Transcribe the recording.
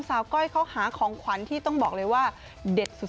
ก้อยเขาหาของขวัญที่ต้องบอกเลยว่าเด็ดสุด